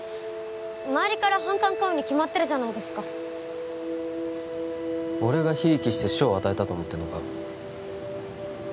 まわりから反感買うに決まってるじゃないですか俺がひいきして賞を与えたと思ってんのか？